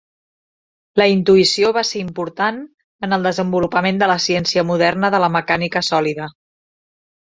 La intuïció va ser important en el desenvolupament de la ciència moderna de la mecànica sòlida.